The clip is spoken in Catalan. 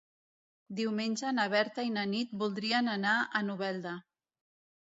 Diumenge na Berta i na Nit voldrien anar a Novelda.